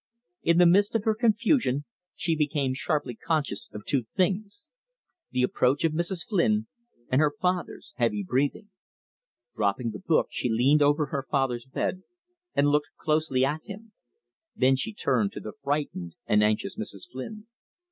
In the midst of her confusion she became sharply conscious of two things: the approach of Mrs. Flynn, and her father's heavy breathing. Dropping the book, she leaned over her father's bed and looked closely at him. Then she turned to the frightened and anxious Mrs. Flynn.